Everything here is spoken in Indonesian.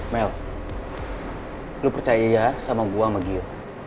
mel lu percaya ya sama gue sama gio